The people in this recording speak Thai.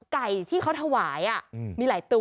ไก่ที่เขาถวายมีหลายตัว